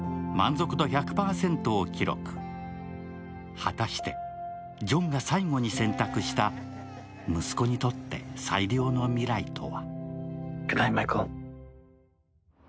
果たしてジョンが最期に選択した息子にとって最良の未来とは？